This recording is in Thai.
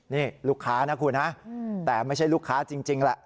นี่ลูกค้านะคุณนะแต่ไม่ใช่ลูกค้าจริงแหละ